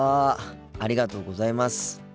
ありがとうございます。